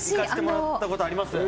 行かせてもらったことあります。